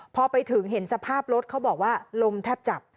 พอไปถึงเห็นสภาพรถเขาบอกว่าลมแทบจับ